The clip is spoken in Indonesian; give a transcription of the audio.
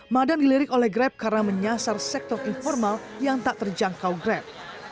madan dilirik oleh grab karena menyasar sektor informal yang tak terjangkau grab